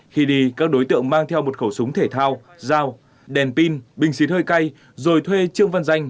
khi đi các đối tượng mang theo một khẩu súng thể thao dao đèn pin bình xịt hơi cay rồi thuê trương văn danh